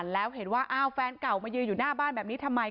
แล้วเห็นว่าอ้าวแฟนเก่ามายืนอยู่หน้าบ้านแบบนี้ทำไม